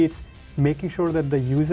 memastikan pengalaman pengguna